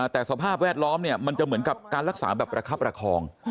แต่สภาพแวดล้อมมันจะเหมือนกับการรักษาแบบประคับประคอง